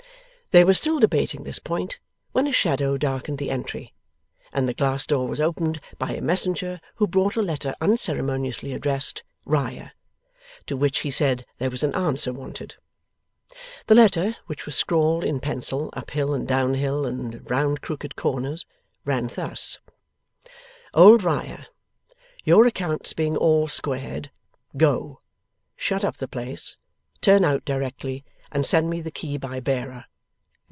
They were still debating this point when a shadow darkened the entry, and the glass door was opened by a messenger who brought a letter unceremoniously addressed, 'Riah.' To which he said there was an answer wanted. The letter, which was scrawled in pencil uphill and downhill and round crooked corners, ran thus: 'OLD RIAH, Your accounts being all squared, go. Shut up the place, turn out directly, and send me the key by bearer.